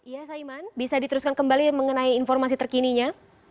ya saiman bisa diteruskan kembali mengenai informasi terkininya